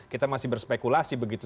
kita masih berspekulasi begitu